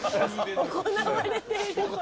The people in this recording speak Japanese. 「行われている事」。